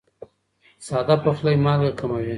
ساده پخلی مالګه کموي.